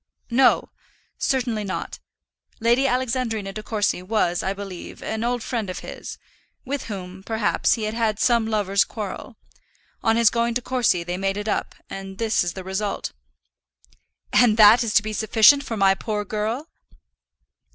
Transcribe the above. "No; certainly not. Lady Alexandrina De Courcy was, I believe, an old friend of his; with whom, perhaps, he had had some lover's quarrel. On his going to Courcy they made it up; and this is the result." "And that is to be sufficient for my poor girl?"